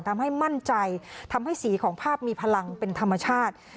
ทำให้มั่นใจทำให้สีของภาพมีพลังเป็นธรรมชาติ